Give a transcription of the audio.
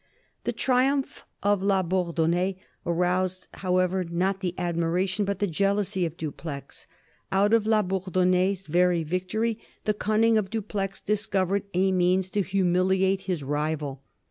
The triumph of La Bourdonnais aroused, however, not the admiration but the jealousy of Dupleix. Out of La Bourdonnais's very victory the cunning of Dupleix dis covered a means to humiliate his rival.